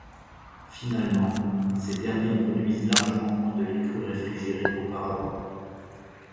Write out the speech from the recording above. Finalement, ces derniers produisent largement moins de lait cru réfrigéré qu’auparavant.